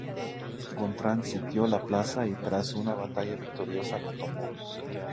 Gontrán sitió la plaza y tras una batalla victoriosa la tomó.